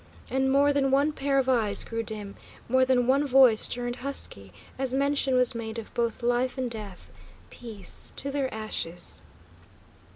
And more than one pair of eyes grew dim, more than one voice turned husky, as mention was made of both life and death, peace to their ashes!